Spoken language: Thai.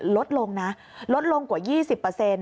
ลดลงนะลดลงกว่า๒๐